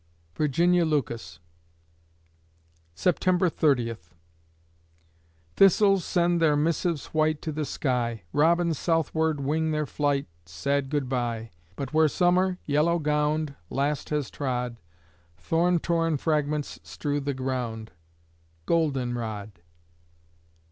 VIRGINIA LUCAS September Thirtieth Thistles send their missives white To the sky; Robins southward wing their flight, (Sad goodbye!) But where Summer, yellow gowned, Last has trod, Thorn torn fragments strew the ground Goldenrod!